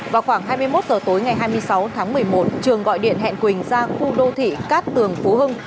vào khoảng hai mươi một h tối ngày hai mươi sáu tháng một mươi một trường gọi điện hẹn quỳnh ra khu đô thị cát tường phú hưng